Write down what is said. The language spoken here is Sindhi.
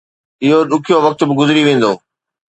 اهو ڏکيو وقت به گذري ويندو